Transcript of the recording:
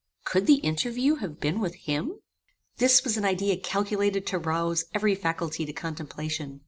Could the interview have been with him? "This was an idea calculated to rouse every faculty to contemplation.